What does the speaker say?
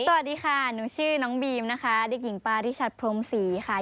สวัสดีค่ะหนูชื่อน้องบีมนะคะเด็กหญิงปาริชัดพรมศรีค่ะ